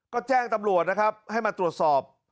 ก็แจ้งตำรวจนะครับให้มาตรวจสอบ